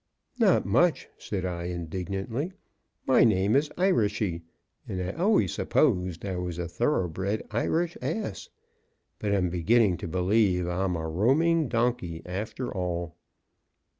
"Not much," said I, indignantly, "My name is Irishy, and I always supposed I was a thoroughbred Irish ass, but I'm beginning to believe I'm a roamin' donkey, after all."